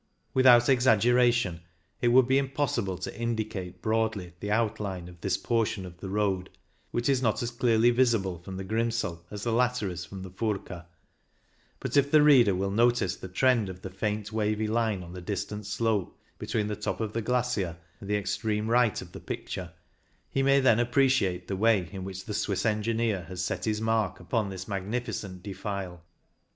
Without exaggeration it would be impossible to indicate broadly the out line of this portion of the road, which is not as clearly visible from the Grimsel as the latter is from the Furka ; but if the 122 CYCLING IN THE ALPS reader will notice the trend of the faint, wavy line on the distant slope between the top of the glacier and the extreme right of the picture, he may then appre ciate the way in which the Swiss engineer has set his mark upon this magnificent defile.